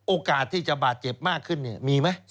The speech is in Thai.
โอกาสที่จะบาดเจ็บมากขึ้นมีไหม